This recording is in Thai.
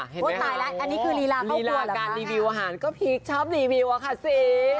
พูดตายแล้วอันนี้คือรีลาเข้ากลัวหรือเปล่าค่ะรีลาการรีวิวอาหารก็พริกชอบรีวิวอะค่ะสิ